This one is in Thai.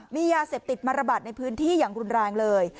มียาเสพติดมาระบาดในพื้นที่อย่างรุนแรงเลย